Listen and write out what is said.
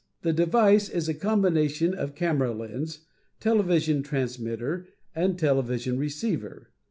The device is a combination of camera lens, television transmitter and television receiver.